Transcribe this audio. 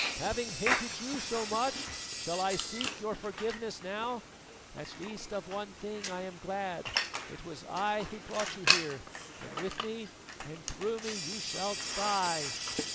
Having hated you so much, shall I seek your forgiveness now? At least of one thing I am glad it was I who brought you here, and with me and through me you shall die."